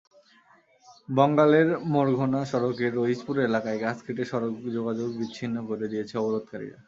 বঙ্গালের মোড়-ঘোনা সড়কের রইচপুর এলাকায় গাছ কেটে সড়ক যোগাযোগ বিচ্ছিন্ন করে দিয়েছে অবরোধকারীরা।